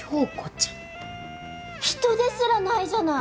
人ですらないじゃない！